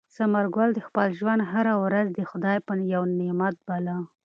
ثمر ګل د خپل ژوند هره ورځ د خدای یو نعمت باله.